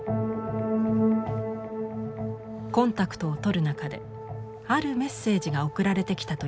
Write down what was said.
コンタクトを取る中であるメッセージが送られてきたといいます。